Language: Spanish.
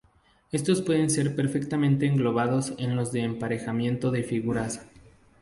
Estos pueden ser perfectamente englobados en los de emparejamiento de figuras.